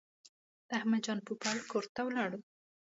د احمد جان پوپل کور ته ولاړو.